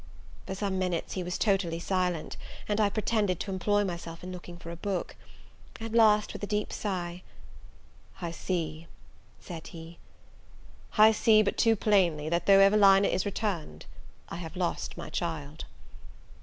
For some minutes he was totally silent, and I pretended to employ myself in looking for a book. At last, with a deep sigh, "I see," said he, "I see but too plainly, that though Evelina is returned, I have lost my child!"